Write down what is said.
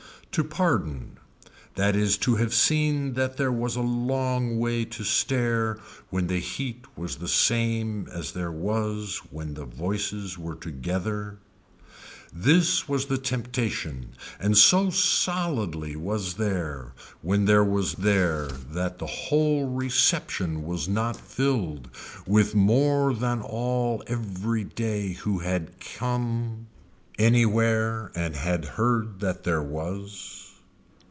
To pardon, that is to have seen that there was a long way to stare when the heat was the same as there was when the voices were together. This was the temptation and so solidly was there when there was there that the whole reception was not filled with more than all every day who had come anywhere and had heard that there was.